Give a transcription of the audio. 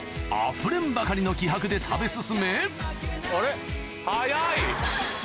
あふれんばかりの気迫で食べ進め早い！